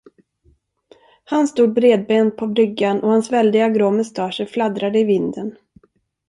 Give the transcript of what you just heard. Han stod bredbent på bryggan och hans väldiga grå mustascher fladdrade i vinden.